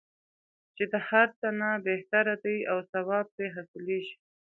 چې د هر څه نه بهتره دی او ثواب پرې حاصلیږي.